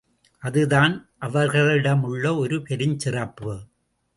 அதுதான் அவர்களிடமுள்ள ஒரு பெருஞ் சிறப்பு.